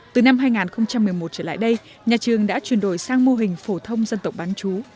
từ năm hai nghìn một mươi một trở lại đây nhà trường đã chuyển đổi sang mô hình phổ thông dân tộc bán chú